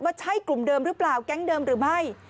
ใช่กลุ่มเดิมหรือเปล่าแก๊งเดิมหรือไม่